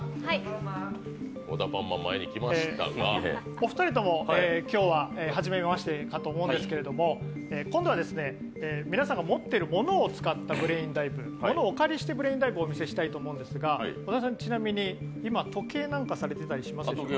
お二人とも今日は初めましてかと思いますけれども今度は皆さんが持っているものを使ったブレインダイブ、物をお借りしてブレインダイブをしたいのですが小田さん、ちなみに今、時計なんかしてたりしますか？